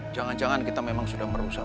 jangan jangan kita memang sudah merusak